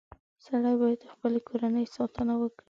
• سړی باید د خپلې کورنۍ ساتنه وکړي.